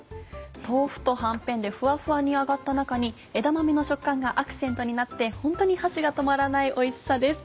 豆腐とはんぺんでふわふわに揚がった中に枝豆の食感がアクセントになってホントに箸が止まらないおいしさです。